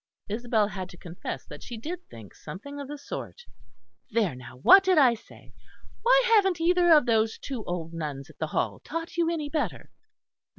Isabel had to confess that she did think something of the sort. "There, now, what did I say? Why haven't either of those two old nuns at the Hall taught you any better?"